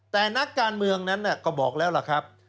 แต่นักการเมืองนั้นก็บอกแล้วล่ะครับ